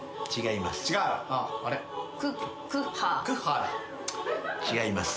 違います。